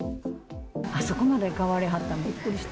あそこまで変わりはったの、びっくりした。